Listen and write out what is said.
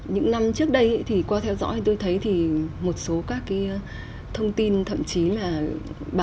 những năm trước đây thì qua theo dõi tôi thấy thì một số các cái thông tin thậm chí là bài viết ấy